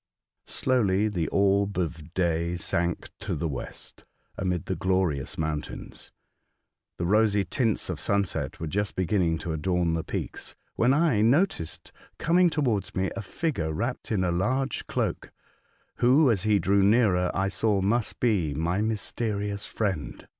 Slowly the orb of day sank to the west, amid the glorious mountains. The rosy tints of sunset were just beginning to adorn the peaks, when I noticed coming towards me a figure wrapped in a large cloak, who, as he drew nearer I saw must be my mysterious friend.